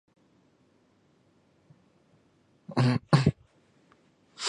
密西西比州议会大厦是美国密西西比州议会的开会地点。